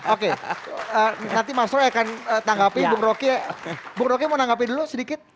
oke nanti mas roky akan tanggapi bung roky mau tanggapi dulu sedikit